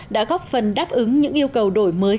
đã góp phần đáp ứng những yêu cầu đổi mới